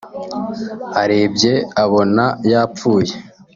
arebye abona yapfuye